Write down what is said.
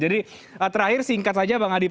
jadi terakhir singkat saja bung adi